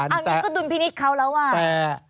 อันนี้ก็ดุลพินิษฐ์เขาแล้วอ่ะ